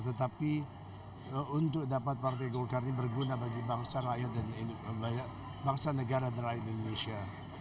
tetapi untuk dapat partai golkar ini berguna bagi bangsa rakyat dan bangsa negara dan rakyat indonesia